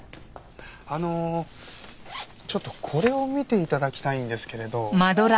あのちょっとこれを見て頂きたいんですけれど。